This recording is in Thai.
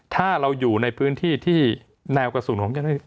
ถ้าเราอยู่ในพื้นที่ที่แนวกระสุนของเจ้าหน้าที่